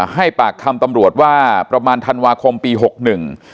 ให้ปากคำตำรวจว่าประมาณธันวาคมปีหกหนึ่ง